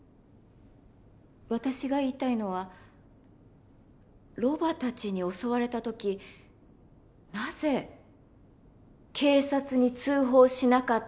私が言いたいのはロバたちに襲われた時なぜ警察に通報しなかったのかという事です。